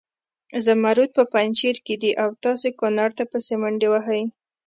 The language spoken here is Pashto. زمرود په پنجشیر کې دي او تاسې کنړ ته پسې منډې وهئ.